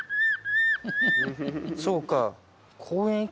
そうか。